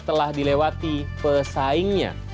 telah dilewati pesaingnya